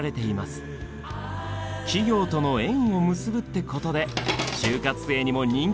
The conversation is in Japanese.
企業との縁を結ぶってことで就活生にも人気です。